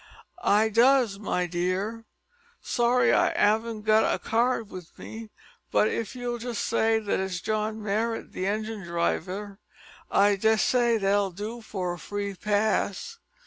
"I does, my dear. Sorry I 'aven't got a card with me, but if you'll just say that it's John Marrot, the engine driver, I dessay that'll do for a free pass."